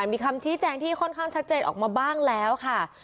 มีคำชี้แจงที่ค่อนข้างชัดเจนออกมาบ้างแล้วค่ะ